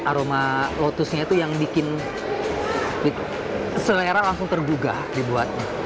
aroma lotusnya itu yang bikin selera langsung tergugah dibuat